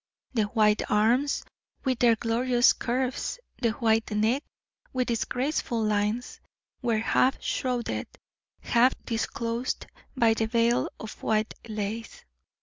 The white arms, with their glorious curves, the white neck, with its graceful lines, were half shrouded, half disclosed by the veil of white lace.